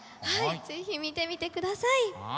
はい是非見てみてください。